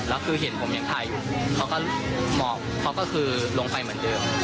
แล้วคือเห็นผมยังถ่ายอยู่เขาก็หมอบเขาก็คือลงไปเหมือนเดิม